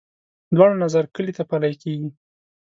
دواړو نظر کلي ته پلی کېږي.